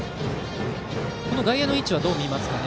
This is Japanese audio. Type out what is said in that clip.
この外野の位置はどう見ますか。